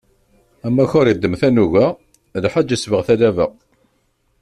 Amakar iddem tanuga, lḥaǧ isbeɣ talaba.